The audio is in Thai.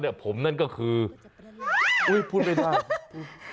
ความลับของแมวความลับของแมว